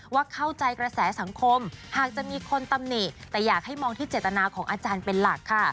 ว่าเข้าใจกระแสสังคมหากจะมีคนตำหนิแต่อยากให้มองที่เจตนาของอาจารย์เป็นหลักค่ะ